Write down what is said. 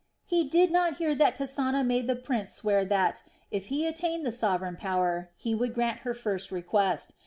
He did not hear that Kasana made the prince swear that, if he attained the sovereign power, he would grant her first request.